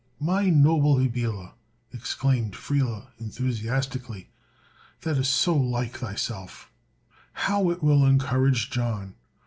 "My noble Hebele!" exclaimed Friele enthusiastically, "that is so like thyself! How it will encourage John!